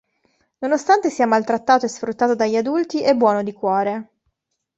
Nonostante sia maltrattato e sfruttato dagli adulti è buono di cuore.